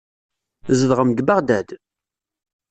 Tzedɣem deg Beɣdad?